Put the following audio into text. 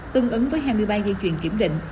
tương ứng với hai mươi ba dây chuyền kiểm định